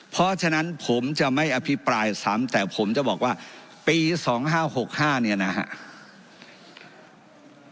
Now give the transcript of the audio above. เพราะฉะนั้นผมจะไม่อภิปรายซ้ำแต่ผมจะบอกว่าปี๒๕๖๕เนี่ยนะครับ